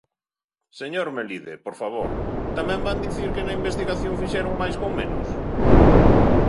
Señor Melide, por favor, ¿tamén van dicir que na investigación fixeron máis con menos?